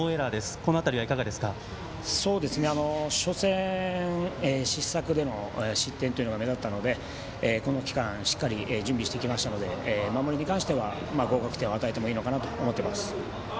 このあたりはいかがですか初戦、失策での失点というのが目立ったので、この期間しっかり、準備してきましたので守りに関しては合格点を与えてもいいのかなと思っています。